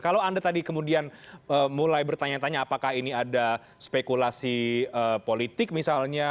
kalau anda tadi kemudian mulai bertanya tanya apakah ini ada spekulasi politik misalnya